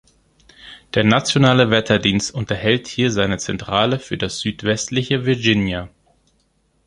Der nationale Wetterdienst unterhält hier seine Zentrale für das südwestliche Virginia.